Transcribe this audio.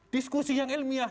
diskusi yang ilmiah